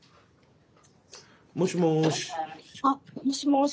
もしもし。